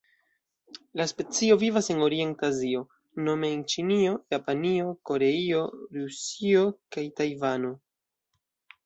La specio vivas en Orienta Azio nome en Ĉinio, Japanio, Koreio, Rusio kaj Tajvano.